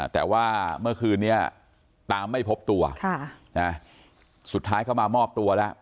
แต่ว่าเมื่อคืนนี้ตามไม่พบตัวสุดท้ายเข้ามามอบตัวแล้ว